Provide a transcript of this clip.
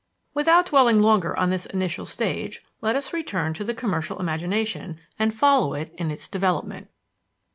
Without dwelling longer on this initial stage, let us return to the commercial imagination, and follow it in its development.